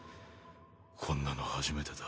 こんなの初めてだ。